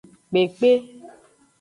Kpekpe.